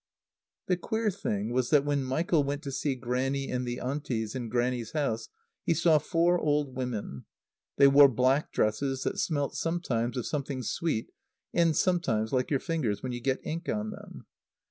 The queer thing was that when Michael went to see Grannie and the Aunties in Grannie's house he saw four old women. They wore black dresses that smelt sometimes of something sweet and sometimes like your fingers when you get ink on them.